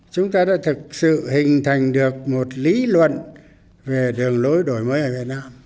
chúng ta đã thực sự hình thành được một lý luận về đường lối đổi mới ở việt nam